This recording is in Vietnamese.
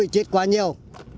chết quá nhiều